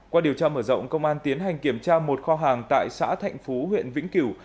qua điều tra mở rộng công an tiến hành kiểm tra một kho hàng tại xã thạnh phú huyện vĩnh cửu